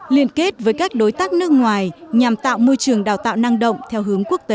liên kết với các đối tác nước ngoài nhằm tạo môi trường đào tạo năng động theo hướng quốc tế